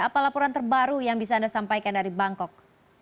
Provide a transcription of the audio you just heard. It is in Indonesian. apa laporan terbaru yang bisa anda sampaikan dari bangkok